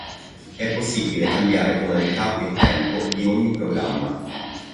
È possibile cambiare tonalità e tempo di ogni programma.